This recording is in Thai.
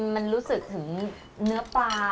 มันรู้สึกถึงเนื้อปลา